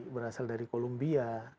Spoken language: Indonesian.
berasal dari columbia